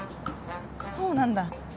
そうなんだ。